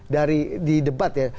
dari di debat ya